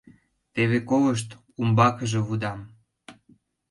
Теве колышт, умбакыже лудам.